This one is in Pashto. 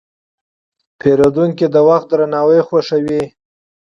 پیرودونکی د وخت درناوی خوښوي.